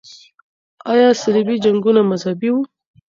آیا صلیبي جنګونه مذهبي وو؟